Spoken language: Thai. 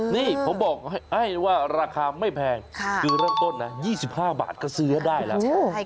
นี่ผมบอกให้ว่าราคาไม่แพงคือเริ่มต้นนะ๒๕บาทก็ซื้อได้แล้ว